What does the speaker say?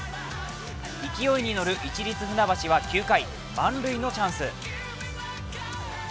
勢いに乗る市立船橋は９回、満塁のチャンス。